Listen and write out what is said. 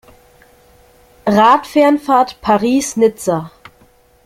Rad-Fernfahrt Paris–Nizza.